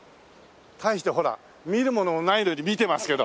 大してほら見るものもないのに見てますけど。